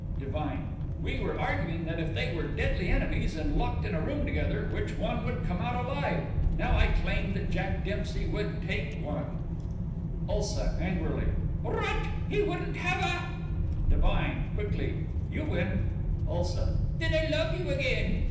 DIVINE: We were arguing that if they were deadly enemies and locked in a room together which one would come out alive. Now I claimed that Jack Dempsey would take one ULSA: (Angrily) Rot! He wouldn't have a DIVINE: (Quickly) You win. ULSA: Then I love you again.